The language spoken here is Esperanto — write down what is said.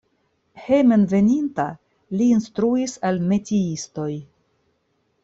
Hejmenveninta li instruis al metiistoj.